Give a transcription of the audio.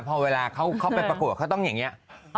พอเวลาเขาไปประกวดเขาต้องอย่างนี้